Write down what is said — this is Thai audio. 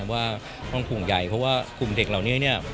ว่าต้องภูมิใหญ่เพราะว่าคลุมเด็กเหล่านี้